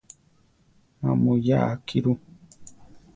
Má muyaa akí ru.